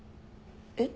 えっ？